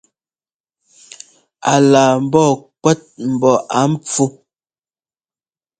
A laa mbɔɔ kuɛ́t mbɔ á npfú.